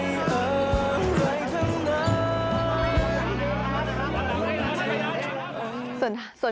เอ่อใครทั้งนั้น